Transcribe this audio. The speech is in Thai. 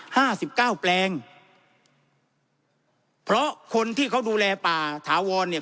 ห้าสิบเก้าแปลงเพราะคนที่เขาดูแลป่าถาวรเนี่ย